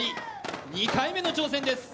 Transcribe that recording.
２回目の挑戦です